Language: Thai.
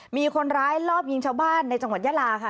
มีคนร้ายลอบยิงชาวบ้านในจังหวัดยาลาค่ะ